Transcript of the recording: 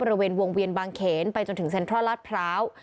บริเวณวงเวียนบางเขนไปจนถึงเซ็นทรัลลาดพร้าว